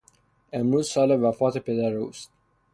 امروز سال وفات پدر اوست.